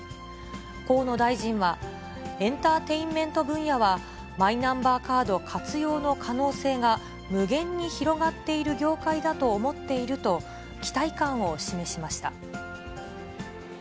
河野大臣は、エンターテインメント分野はマイナンバーカード活用の可能性が無限に広がっている業界だと思っていると、期待感を示しました。